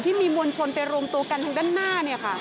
ที่มีมวลชนไปรวมตัวกันทางด้านหน้า